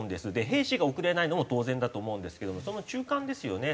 兵士が送れないのも当然だと思うんですけどもその中間ですよね。